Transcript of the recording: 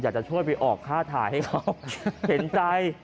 อยากจะช่วยไปออกค่าถ่ายให้เรา